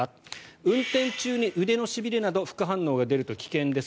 運転中に腕のしびれなど副反応が出ると危険です